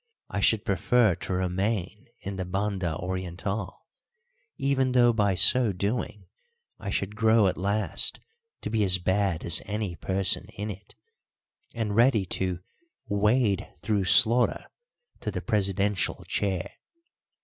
I should prefer to remain in the Banda Orientál, even though by so doing I should grow at last to be as bad as any person in it, and ready to "wade through slaughter" to the Presidential Chair.